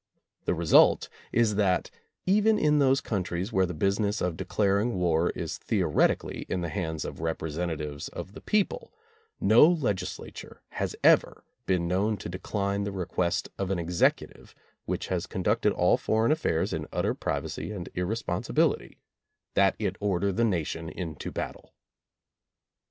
The result is that, even in those countries where the business of declaring war is theoretically in the hands of representatives of the people, no legislature has ever been known to decline the request of an Executive, which has conducted all foreign affairs in utter privacy and irresponsibility, that it order the nation into bat tle.